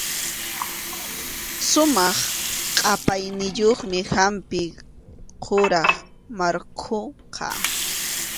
Sumaq qʼapayniyuq hampi quram markhuqa.